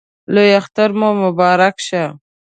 لوی اختر مو مبارک شه